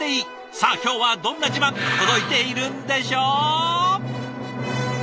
さあ今日はどんな自慢届いているんでしょう？